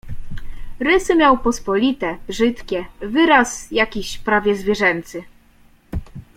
"Rysy miał pospolite, brzydkie, wyraz jakiś prawie zwierzęcy."